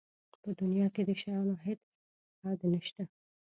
په دنیا کې د شیانو هېڅ حد نشته.